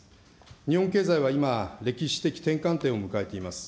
日本経済は今、歴史的転換点を迎えています。